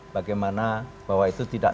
bagaimana bahwa itu tidak